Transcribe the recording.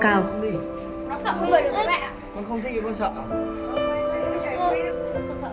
con không sợ